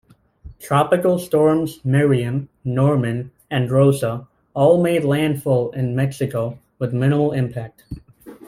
Tropical Storms Miriam, Norman, and Rosa all made landfall in Mexico with minimal impact.